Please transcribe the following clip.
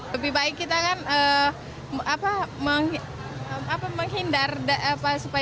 lebih baik kita menghindar mencegah